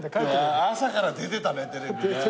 朝から出てたねテレビね。